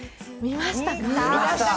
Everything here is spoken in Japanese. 見ましたか？